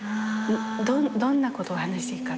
どんなことを話していいか。